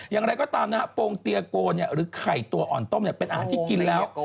อย่างไรก็ตามนะฮะโปรงเตียโกหรือไข่ตัวอ่อนต้มเป็นอาหารที่กินแล้ว